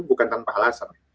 tidak akan pahalasan